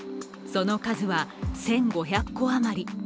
その数は１５００戸余り。